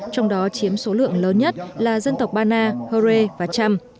trong đó chiếm số lượng lớn nhất là dân tộc bana hore và cham